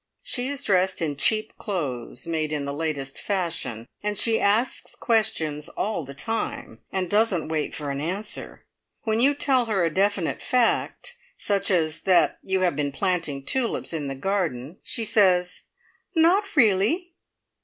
She is dressed in cheap clothes made in the latest fashion, and she asks questions all the time, and doesn't wait for an answer. When you tell her a definite fact, such as that you have been planting tulips in the garden, she says, "Not really!"